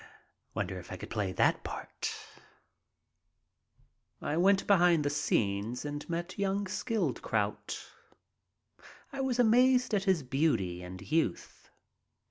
Wonder if I could play that part? I went back behind the scenes and met young Skildkraut. I was amazed at his beauty and youth.